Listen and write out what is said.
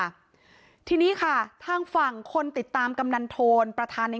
ค่ะทีนี้ค่ะทางฝั่งคนติดตามกำนันโทนประธานใน